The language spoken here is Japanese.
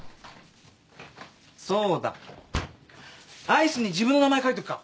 そうだアイスに自分の名前書いとくか。